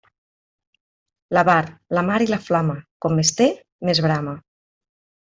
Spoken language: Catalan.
L'avar, la mar i la flama, com més té, més brama.